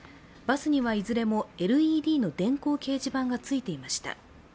バスにはいずれもＬＥＤの電光掲示板がついていました。